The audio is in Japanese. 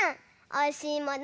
おいしいもの